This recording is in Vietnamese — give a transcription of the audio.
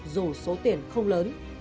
dù số tiền không lớn